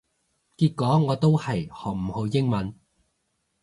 結果我都係學唔好英文